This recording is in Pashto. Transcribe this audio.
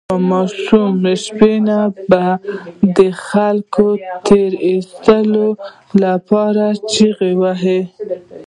یو ماشوم شپون به د خلکو د تیر ایستلو لپاره چیغې وهلې.